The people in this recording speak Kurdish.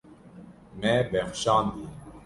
Me bexşandiye.